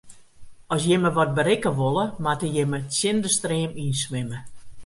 As jimme wat berikke wolle, moatte jimme tsjin de stream yn swimme.